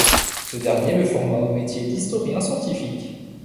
Ce dernier le forma au métier d'historien scientifique.